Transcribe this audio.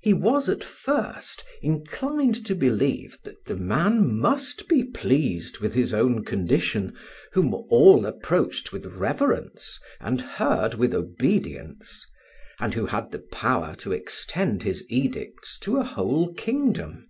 He was at first inclined to believe that the man must be pleased with his own condition whom all approached with reverence and heard with obedience, and who had the power to extend his edicts to a whole kingdom.